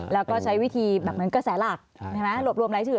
แล้วก็ใช้วิธีแบบนั้นก็แสหลักหลบรวมรายชื่อ